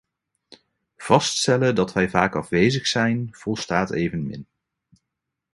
Vaststellen dat wij vaak afwezig zijn, volstaat evenmin.